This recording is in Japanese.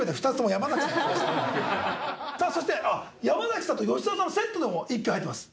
そして山さんと吉沢さんはセットでも１票入ってます。